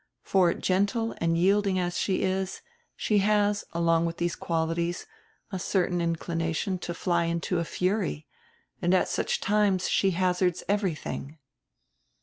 For gentle and yielding as she is, she has, along with these qualities, a certain inclination to fly into a fury, and at such times she hazards everything."